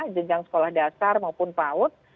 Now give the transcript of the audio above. jenjang sekolah dasar maupun paut